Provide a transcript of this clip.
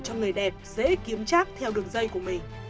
cho người đẹp dễ kiếm trác theo đường dây của mình